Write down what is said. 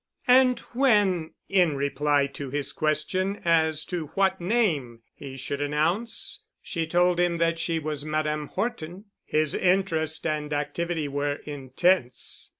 And when in reply to his question as to what name he should announce, she told him that she was Madame Horton, his interest and activity were intense.